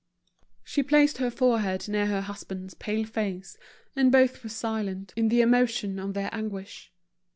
She placed her forehead near her husband's pale face, and both were silent, in the emotion of their anguish.